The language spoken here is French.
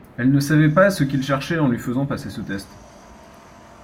Elle ne savait pas ce qu’ils cherchaient en lui faisant passer ce test.